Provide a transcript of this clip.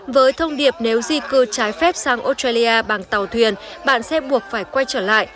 với thông điệp nếu di cư trái phép sang australia bằng tàu thuyền bạn sẽ buộc phải quay trở lại